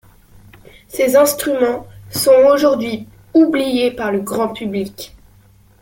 Ces instruments sont aujourd'hui oubliées par le grand public.